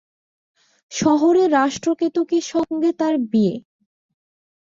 শহরে রাষ্ট্র কেতকীর সঙ্গে তার বিয়ে।